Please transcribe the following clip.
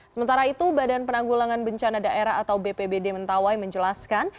sementara itu badan penanggulangan bencana daerah atau bpbd mentawai menjelaskan